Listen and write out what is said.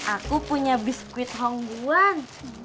aku punya biskuit hongguan